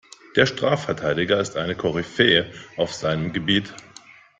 Der Strafverteidiger ist eine Koryphäe auf seinem Gebiet.